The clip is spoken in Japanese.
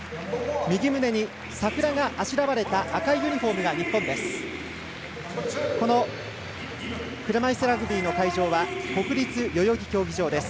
右胸に桜があしらわれた赤いユニフォームが日本です。